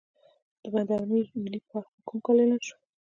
د بند امیر ملي پارک په کوم کال اعلان شو؟